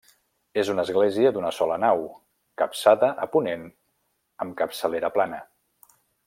És una església d'una sola nau, capçada a ponent amb capçalera plana.